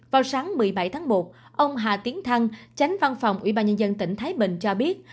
vào sáng một mươi bảy tháng một ông hà tiến thăng tránh văn phòng ubnd tỉnh thái bình cho biết